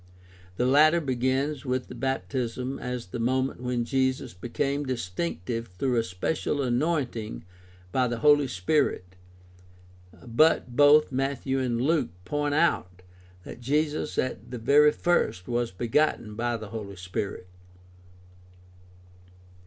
The latter begins with the baptism as the moment when Jesus became distinctive through a special anointing by the Holy Spirit, but both Matthew and Luke point out that Jesus at the very first was begotten by the Holy Spirit.